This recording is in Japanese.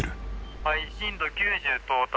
はい深度９０到達。